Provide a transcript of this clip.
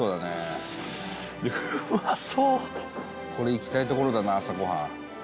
伊達：これ、いきたいところだな朝ごはん。